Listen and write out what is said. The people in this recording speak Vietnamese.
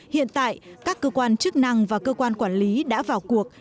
hiện tại các cơ quan chức năng và cơ quan quản lý đã vào cuộc